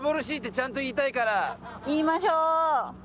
言いましょう。